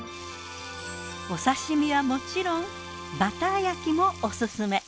お刺身はもちろんバター焼きもオススメ。